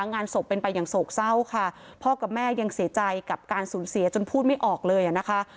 งานศพเป็นไปอย่างโศกเศร้าค่ะพ่อกับแม่ยังเสียใจกับการสูญเสียจนพูดไม่ออกเลยอ่ะนะคะ